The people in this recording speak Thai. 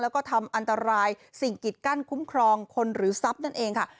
แล้วก็ทำอันตรายสิ่งกิดกั้นคุ้มครองคนหรือทรัพย์นั่นเองค่ะ